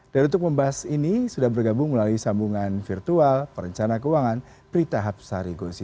dan untuk membahas ini sudah bergabung melalui sambungan virtual perencana keuangan prita hapsari gonsi